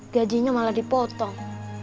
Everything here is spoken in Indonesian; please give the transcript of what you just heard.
gajinya malah dipotong